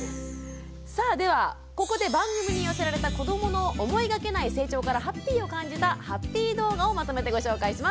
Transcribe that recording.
さあではここで番組に寄せられた子どもの思いがけない成長からハッピーを感じたハッピー動画をまとめてご紹介します。